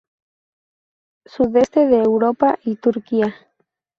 Sudeste de Europa y Turquía.